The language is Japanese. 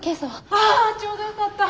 ああちょうどよかった！